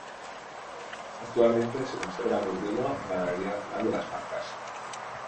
Actualmente se conserva en Urbino en la Galería Nacional de las Marcas.